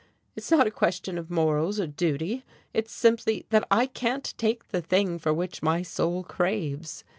It's not a question of morals or duty it's simply that I can't take the thing for which my soul craves.